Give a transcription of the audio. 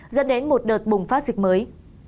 dẫn đến một đợt bùng phát dịch mới